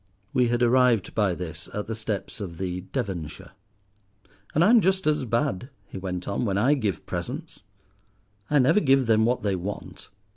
We had arrived by this at the steps of the 'Devonshire.' "And I'm just as bad," he went on, "when I give presents. I never give them what they want.